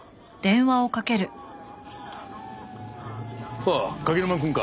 あっ柿沼くんか。